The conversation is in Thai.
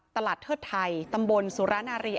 ตลัดเทิดไทยตำบลสุรณารีย์